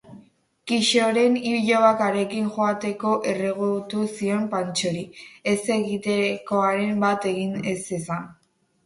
Kixoren ilobak harekin joateko erregutu zion Pantxori, ez-egitekoren bat egin ez zezan.